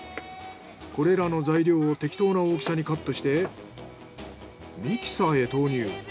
これらの材料を適当な大きさにカットしてミキサーへ投入。